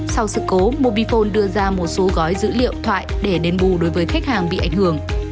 sau sự cố mobifone đưa ra một số gói dữ liệu thoại để đền bù đối với khách hàng bị ảnh hưởng